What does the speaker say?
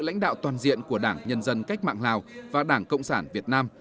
lãnh đạo toàn diện của đảng nhân dân cách mạng lào và đảng cộng sản việt nam